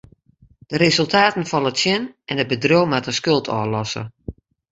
De resultaten falle tsjin en it bedriuw moat in skuld ôflosse.